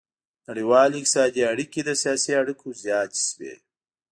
نړیوالې اقتصادي اړیکې له سیاسي اړیکو زیاتې شوې